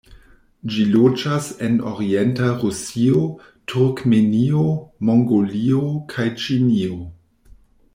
Ĝi loĝas en orienta Rusio, Turkmenio, Mongolio kaj Ĉinio.